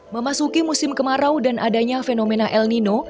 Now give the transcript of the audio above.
memasuki musim kemarau dan adanya fenomena el nino